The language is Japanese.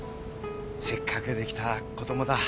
せっかくできた子供だ。